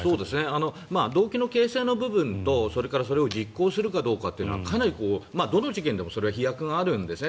動機の形成の部分とそれからそれを実行するかどうかというのはかなりどの事件でもそれは飛躍があるんですね。